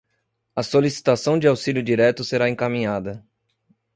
A solicitação de auxílio direto será encaminhada